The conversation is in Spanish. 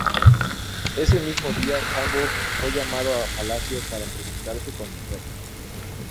Ese mismo día Cambó fue llamado a Palacio para entrevistarse con el rey.